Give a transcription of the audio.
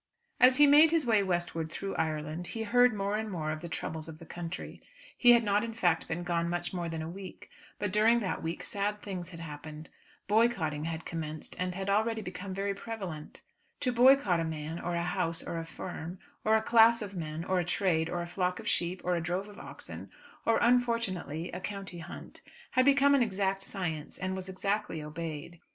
As he made his way westward through Ireland he heard more and more of the troubles of the country. He had not in fact been gone much more than a week, but during that week sad things had happened. Boycotting had commenced, and had already become very prevalent. To boycott a man, or a house, or a firm, or a class of men, or a trade, or a flock of sheep, or a drove of oxen, or unfortunately a county hunt, had become an exact science, and was exactly obeyed.